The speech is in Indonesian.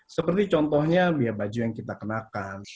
seperti contohnya biaya baju yang kita kenakan